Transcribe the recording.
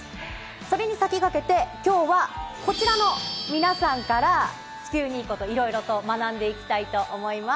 それに先駆けて、きょうは、こちらの皆さんから地球にいいこと、いろいろと学んでいきたいと思います。